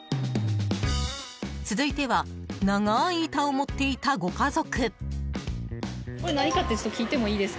続いては長ーい板を持っていたご家族。